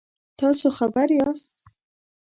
تاسو خبر یاست؟